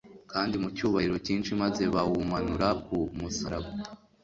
kandi mu cyubahiro cyinshi maze bawumanura ku musaraba.